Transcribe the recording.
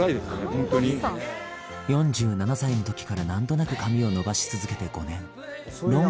ホントに４７歳の時から何となく髪を伸ばし続けて５年ロン